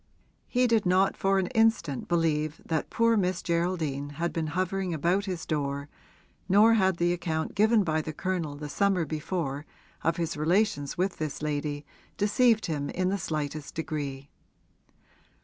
He did not for an instant believe that poor Miss Geraldine had been hovering about his door, nor had the account given by the Colonel the summer before of his relations with this lady deceived him in the slightest degree.